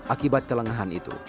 akibat kelengahan itu